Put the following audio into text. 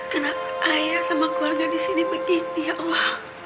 kenapa ayah sama keluarga di sini begini ya allah